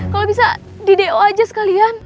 kalau bisa di do aja sekalian